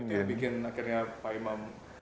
yang bikin akhirnya pak imam